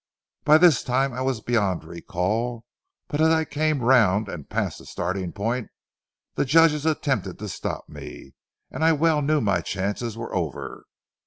By this time I was beyond recall, but as I came round and passed the starting point, the judges attempted to stop me, and I well knew my chances were over.